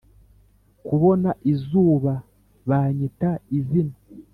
Kubona izuba banyita izina